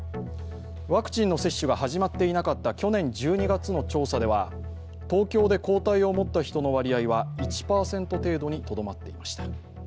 ワクチンの接種が始まっていなかった去年１２月の調査では東京で抗体を持った人の割合は１％程度にとどまっていました。